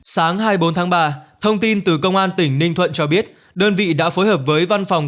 sáng hai mươi bốn tháng ba thông tin từ công an tỉnh ninh thuận cho biết đơn vị đã phối hợp với văn phòng